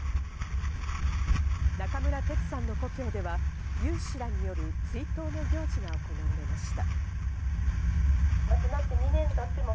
中村哲さんの故郷では有志らによる追悼の行事が行われました。